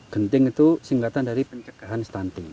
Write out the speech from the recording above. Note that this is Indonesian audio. genting itu singkatan dari pencegahan stunting